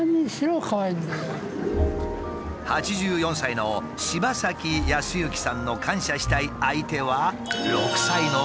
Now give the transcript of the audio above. ８４歳の柴崎康行さんの感謝したい相手は６歳の孫だという。